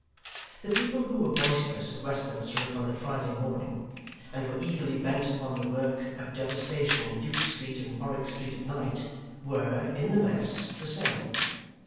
The people who were boisterous at Westminster upon the Friday morning, and were eagerly bent upon the work of devastation in Duke Street and Warwick Street at night, were, in the mass, the same.